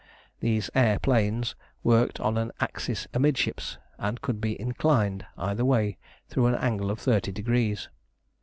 These air planes worked on an axis amidships, and could be inclined either way through an angle of thirty degrees.